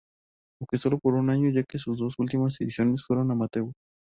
Aunque solo por un año ya que sus dos últimas ediciones fueron amateur.